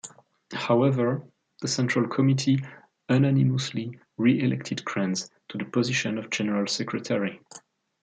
However, the Central Committee unanimously re-elected Krenz to the position of General Secretary.